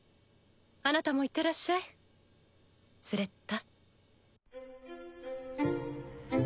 あなたも行ってらっしゃいスレッタ。